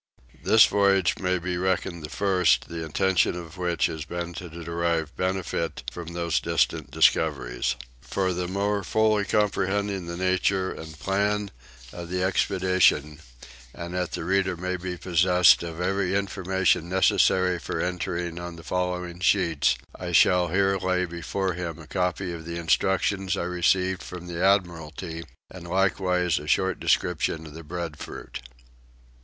This voyage may be reckoned the first the intention of which has been to derive benefit from those distant discoveries. For the more fully comprehending the nature and plan of the expedition, and that the reader may be possessed of every information necessary for entering on the following sheets, I shall here lay before him a copy of the instructions I received from the admiralty, and likewise a short description of the breadfruit.